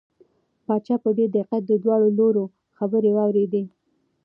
پاچا په ډېر دقت د دواړو لوریو خبرې واورېدې.